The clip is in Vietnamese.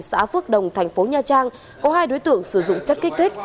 xã phước đồng thành phố nha trang có hai đối tượng sử dụng chất kích thích